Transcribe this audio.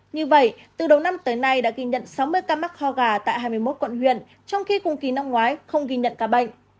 như vậy từ đầu năm tới nay đã ghi nhận sáu mươi ca mắc ho gà tại hai mươi một quận huyện trong khi cùng kỳ năm ngoái không ghi nhận ca bệnh